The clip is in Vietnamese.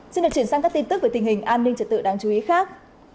xin được chuyển sang các tin tức về tình hình an ninh trật tự đáng chú ý khác